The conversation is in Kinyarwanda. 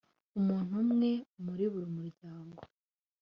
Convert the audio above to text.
umuntu umwe muri buri muryango.